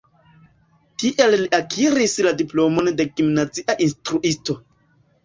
Tie li akiris la diplomon de gimnazia instruisto.